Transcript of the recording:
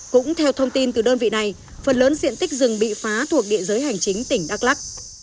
cũng theo thông tin từ đơn vị này phần lớn diện tích rừng bị phá thuộc địa giới hành chính tỉnh đắk lắc